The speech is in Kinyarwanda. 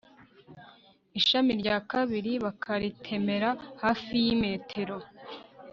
ishami rya kabiri bakaritemera hafi y'imetero